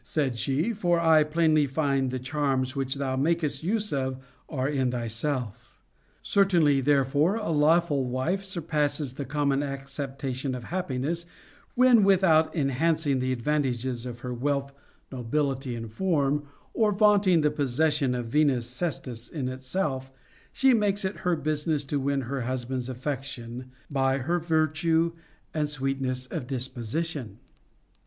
said she, for I plainly find the charms which thou makest use of are in thyself. Certainly therefore a lawful wife surpasses the common acceptation of hap piness when, without enhancing the advantages of her wealth, nobility, and form, or vaunting the possession of Venus's cestus itself, she makes it her business to win her husband's affection by her virtue and sweetness of dispo sition.